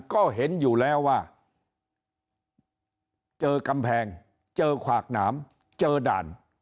ก็เห็นอยู่แล้วว่าเจอกำแพงเจอขวากหนามเจอด่าน